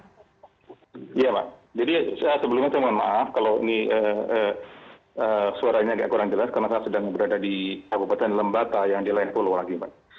iya pak jadi sebelumnya saya mohon maaf kalau ini suaranya agak kurang jelas karena saya sedang berada di kabupaten lembata yang di lain pulau lagi mbak